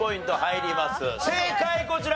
正解こちら。